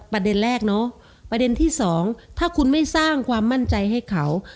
ประเด็นแรกเนอะประเด็นที่สองถ้าคุณไม่สร้างความมั่นใจให้เขา